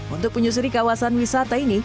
untuk menyusuri kawasan wisata ini